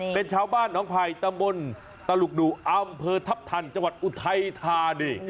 เป็นชาวบ้านน้องภายตะมนต์ตลกดูอำเภอทัพทันจังหวัดอุทัยทา